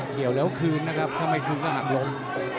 เกี่ยวแล้วคืนนะครับถ้าไม่คืนก็หักล้ม